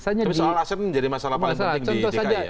tapi soal aset ini jadi masalah paling penting di dki ya